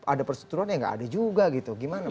ada perseteruan ya gak ada juga gitu gimana